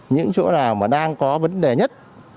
những chỗ nào mà đang có vấn đề nhất